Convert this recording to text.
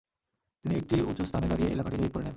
তিনি একটি উঁচু স্থানে দাঁড়িয়ে এলাকাটি জরীপ করে নেন।